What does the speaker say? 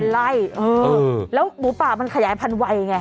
ไล่แล้วหมูป่ามันขยายพันวัยไง